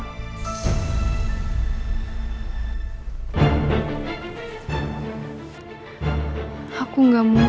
aku gak mungkin nemuin kamu dalam keadaan kayak gini andi